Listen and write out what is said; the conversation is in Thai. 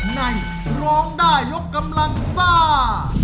ในร้องได้ยกกำลังซ่า